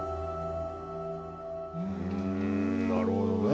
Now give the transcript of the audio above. うんなるほどね。